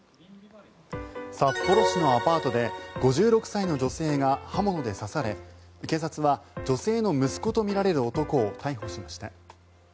札幌市のアパートで５６歳の女性が刃物で刺され警察は女性の息子とみられる男を逮捕しました。